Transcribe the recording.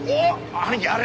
兄貴あれ！